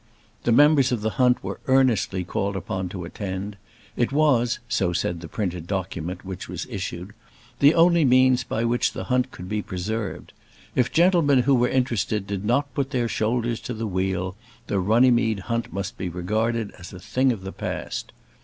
The members of the hunt were earnestly called upon to attend. It was, so said the printed document which was issued, the only means by which the hunt could be preserved. If gentlemen who were interested did not put their shoulders to the wheel, the Runnymede hunt must be regarded as a thing of the past.